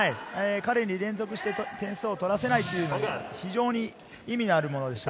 彼に連続して点数を取らせないという非常に意味のあるものでした。